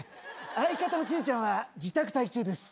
相方のしずちゃんは自宅待機中です。